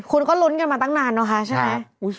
คุณก็ลุ้นกันมาตั้งนานนะคะใช่ไหม